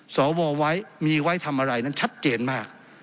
สวไว้มีไว้ทำอะไรนั้นชัดเจนมาก